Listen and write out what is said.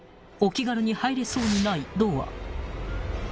［お気軽に入れそうにないドア］